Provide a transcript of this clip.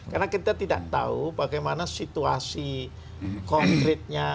karena kita tidak tahu bagaimana situasi konkretnya